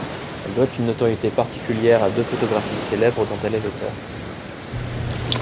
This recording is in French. Elle doit une notoriété particulière à deux photographies célèbres dont elle est l'auteur.